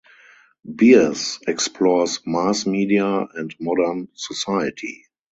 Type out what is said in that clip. Beers explores mass media and modern society.